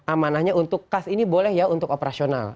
amanahnya untuk kas ini boleh ya untuk operasional